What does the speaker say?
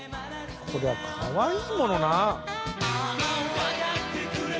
これはかわいいものな。